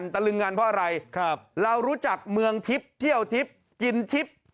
ตะลึงงันเพราะอะไรเรารู้จักเมืองทิพย์เที่ยวทิพย์กินทิพย์